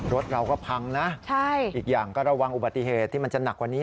รถเราก็พังนะอีกอย่างก็ระวังอุบัติเหตุที่มันจะหนักกว่านี้